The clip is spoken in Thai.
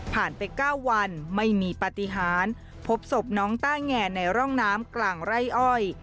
ไป๙วันไม่มีปฏิหารพบศพน้องต้าแงในร่องน้ำกลางไร่อ้อย